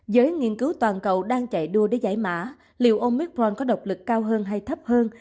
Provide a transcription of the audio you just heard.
giới nghiên cứu toàn cầu đang chạy đua để giải mã liệu ông micron có độc lực cao hơn hay thấp hơn